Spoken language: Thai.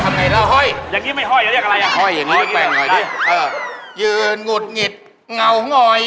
อ้าว